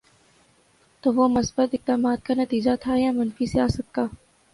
تو وہ مثبت اقدامات کا نتیجہ تھا یا منفی سیاست کا؟